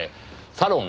サロン